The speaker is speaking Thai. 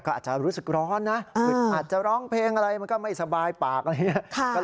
ก็อาจจะรู้สึกร้อนนะอึดอัดจะร้องเพลงอะไรมันก็ไม่สบายปากอะไรอย่างนี้